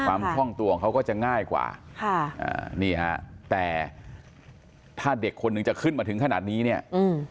คล่องตัวของเขาก็จะง่ายกว่าค่ะอ่านี่ฮะแต่ถ้าเด็กคนหนึ่งจะขึ้นมาถึงขนาดนี้เนี่ยอืม